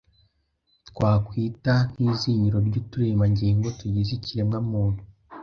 twakwita nk’izingiro ry’uturemangingo tugize ikiremwa muntu